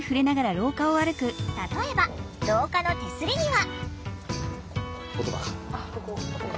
例えば廊下の手すりには。